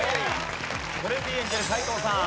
トレンディエンジェル斎藤さん。